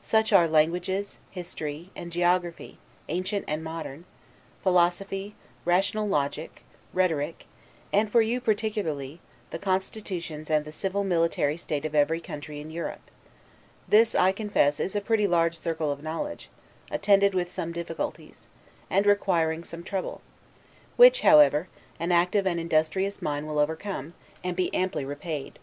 Such are languages, history, and geography ancient and modern, philosophy, rational logic; rhetoric; and, for you particularly, the constitutions and the civil and military state of every country in Europe: This, I confess; is a pretty large circle of knowledge, attended with some difficulties, and requiring some trouble; which, however; an active and industrious mind will overcome; and be amply repaid.